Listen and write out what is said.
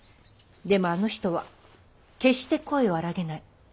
でもあの人は決して声を荒げない。